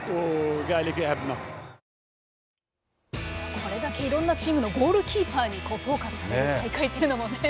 これだけいろんなチームのゴールキーパーにフォーカスされる大会というのも。